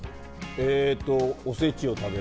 おせちを食べる。